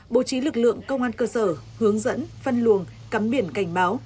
bố trí lực lượng công an cơ sở hướng dẫn phân luồng cắm biển cảnh báo